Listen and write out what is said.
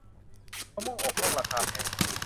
มะม่วงอกร่อง ราคาแพง